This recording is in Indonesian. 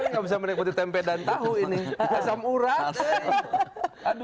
gak bisa merekruti tempe dan tahu ini pasal itu kan